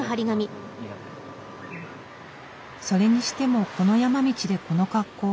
それにしてもこの山道でこの格好。